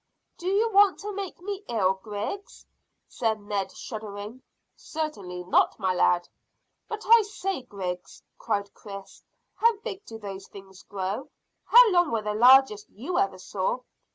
"Do you want to make me ill, Griggs?" said Ned, shuddering. "Certainly not, my lad." "But I say, Griggs," cried Chris, "how big do those things grow how long were the largest you ever saw?"